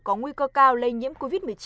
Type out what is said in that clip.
có nguy cơ cao lây nhiễm covid một mươi chín